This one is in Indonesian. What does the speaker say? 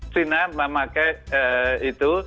china memakai itu